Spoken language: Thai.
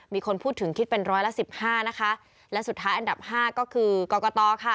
มีคนพูดถึงคิดเป็นร้อยละสิบห้านะคะและสุดท้ายอันดับห้าก็คือกรกตค่ะ